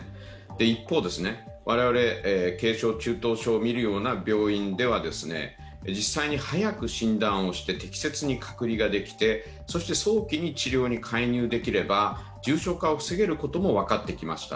一方、我々、軽症・中等症を診るような病院では実際に早く診断をして適切に隔離ができてそして早期に治療に介入できれば重症化を防げることも分かってきました、